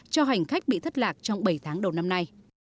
cho hành khách bị thất lạc trong bảy tháng đầu năm nay